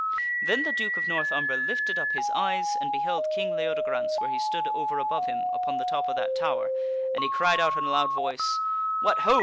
Then the Duke of North Umber lifted up his eyes and beheld King Leodegrance where he stood over above him upon the top of that tower, and he cried out in a loud voice: " What ho